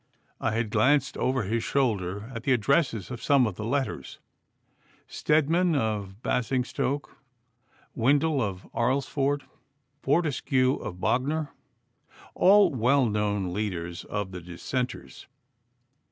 I had glanced over his shoulder at the addresses of some of the letters Steadman of Basingstoke, Wintle of Alresford, Fortescue of Bognor, all well known leaders of the Dissenters.